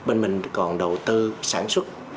bên mình còn đầu tư sản xuất